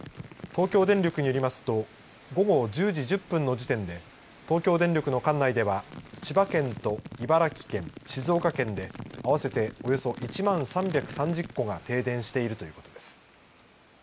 東京電力によりますと午後１０時１０分の時点で東京電力の管内は千葉県と茨城県静岡県で合わせておよそ１万３３０戸が停電しているということです。